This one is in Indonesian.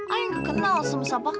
aku nggak kenal sama siapa